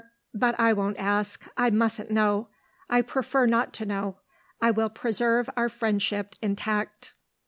But I won't ask. I mustn't know. I prefer not to know. I will preserve our friendship intact."